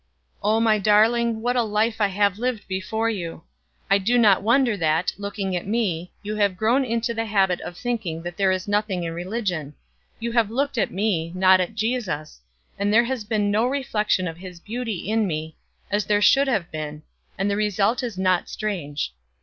Oh, my darling, what a life I have lived before you! I do not wonder that, looking at me, you have grown into the habit of thinking that there is nothing in religion you have looked at me, not at Jesus, and there has been no reflection of his beauty in me, as there should have been, and the result is not strange.